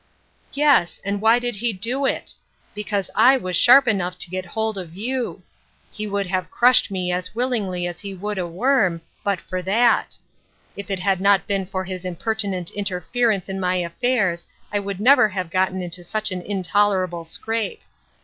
" Yes ; and why did he do it ? Because I was sharp enough to get hold of you. He would have crushed me as willingly as he would a worm, but for that ; if it had not been for his impertinent interference in my affairs I would never have gotten into such an intolerable scrape.